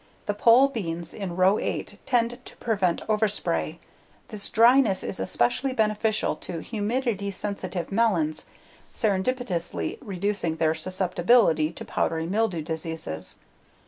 The pole beans in row 8 tend to prevent overspray; this dryness is especially beneficial to humidity sensitive melons, serendipitously reducing their susceptability to powdery mildew diseases.